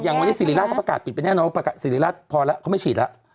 อย่างวันนี้ศิริราชเขาประกาศปิดไปแน่นอนว่าศิริราชพอแล้วเขาไม่ฉีดแล้ว